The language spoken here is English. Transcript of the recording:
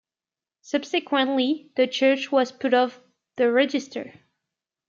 Subsequently, the Church was put off the register.